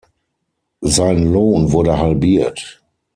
Sein Lohn wurde halbiert.